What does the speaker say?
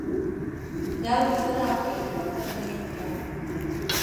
Иалыздыраауеи иҟабҵараны иҟоу!